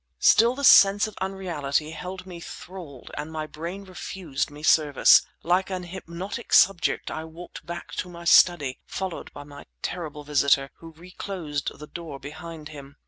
Still the sense of unreality held me thralled and my brain refused me service. Like an hypnotic subject I walked back to my study, followed by my terrible visitor, who reclosed the door behind him.